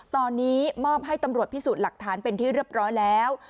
ตอนนี้มอบให้ตำรวจพิสูจน์หลักฐานเป็นที่เรียบร้อยแล้ว